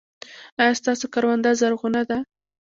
ایا ستاسو کرونده زرغونه ده؟